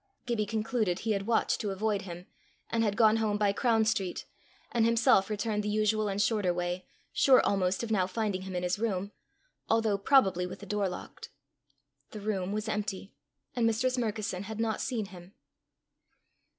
Gibbie concluded he had watched to avoid him, and had gone home by Crown street, and himself returned the usual and shorter way, sure almost of now finding him in his room although probably with the door locked. The room was empty, and Mistress Murkison had not seen him.